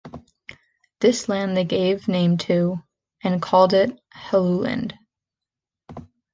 This land they gave name to, and called it Helluland.